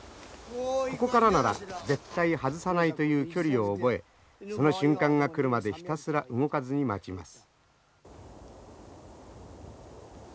ここからなら絶対外さないという距離を覚えその瞬間が来るまでひたすら動かずに待ちます。